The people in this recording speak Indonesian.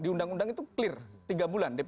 di undang undang itu clear tiga bulan